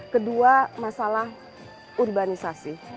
kedua masalah urbanisasi